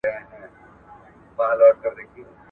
پدې سورت کي د نارينه وو او ښځو د چمونو يادوني سوي دي.